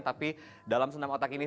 tapi dalam senam otak ini